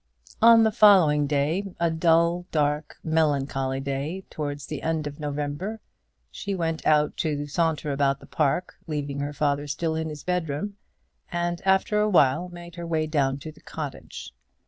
On the following day, a dull, dark, melancholy day, towards the end of November, she went out to saunter about the park, leaving her father still in his bedroom, and after a while made her way down to the cottage.